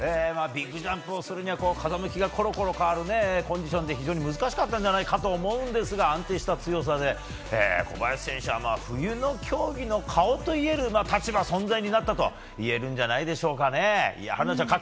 ビッグジャンプをするには、風向きがころころ変わるコンディションで、非常に難しかったんじゃないかと思うんですが、安定した強さで、小林選手は冬の競技の顔といえる立場、存在になったといえるんじゃないかでしょうかね。